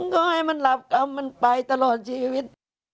ก็ให้มันหลับเอามันไปตลอดชีวิต